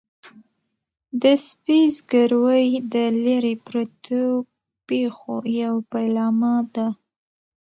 د سپي زګیروی د لیرې پرتو پېښو یو پیلامه ده.